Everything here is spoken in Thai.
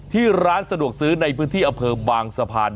ร้านสะดวกซื้อในพื้นที่อำเภอบางสะพาน